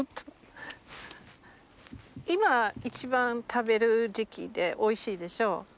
今一番食べる時期でおいしいでしょう。